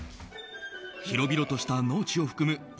広々とした農地を含む